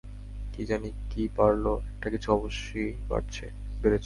কী জানি কী বাড়ল, একটা কিছু অবশ্যি বেড়েছে।